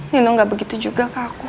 nino nggak begitu juga ke aku